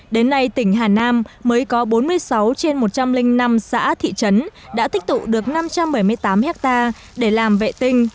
đến nay tỉnh hà nam mới có bốn mươi sáu trên một trăm linh năm xã thị trấn đã tích tụ được năm trăm bảy mươi tám hectare để làm vệ tinh